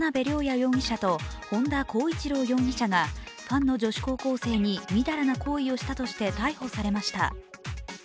容疑者と本田孝一朗容疑者がファンの女子高校生にみだらな行為をしたとして逮捕されました。